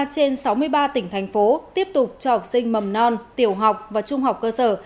một mươi trên sáu mươi ba tỉnh thành phố tiếp tục cho học sinh mầm non tiểu học và trung học cơ sở